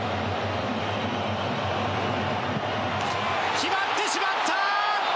決まってしまった！